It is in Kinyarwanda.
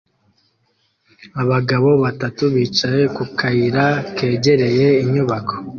Abagabo batatu bicaye ku kayira kegereye inyubako